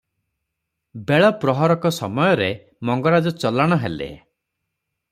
ବେଳ ପ୍ରହରକ ସମୟରେ ମଙ୍ଗରାଜ ଚଲାଣ ହେଲେ ।